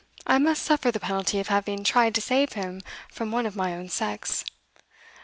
I must suffer the penalty of having tried to save him from one of my own sex.